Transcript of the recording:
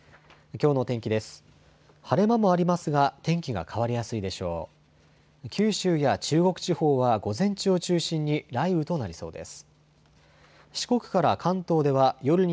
きょうの天気です。